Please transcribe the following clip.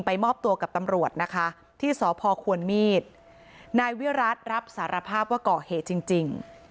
มอบตัวกับตำรวจนะคะที่สพควรมีดนายวิรัติรับสารภาพว่าก่อเหตุจริงจริง